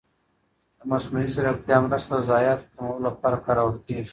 د مصنوعي ځېرکتیا مرسته د ضایعاتو کمولو لپاره کارول کېږي.